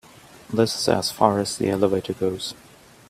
This is as far as the elevator goes.